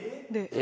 「え！？」